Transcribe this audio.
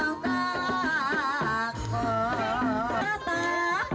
nah ini sudah hilang